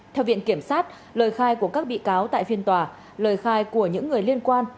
theo viện kiểm sát lời khai của các bị cáo tại phiên tòa lời khai của những người liên quan